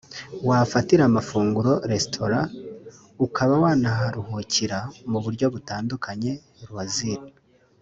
wafatira amafunguro (restaurant) ukaba wanaharuhukira mu buryo butandukaye (loisir